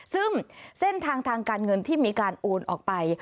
ซึ่งเส้นทางทางการเงินที่มีการโอนออกไป